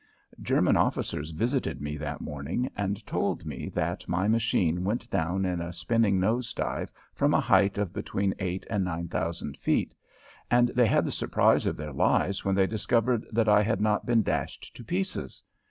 German officers visited me that morning and told me that my machine went down in a spinning nose dive from a height of between eight and nine thousand feet, and they had the surprise of their lives when they discovered that I had not been dashed to pieces.